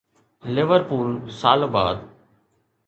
Liverpool سال بعد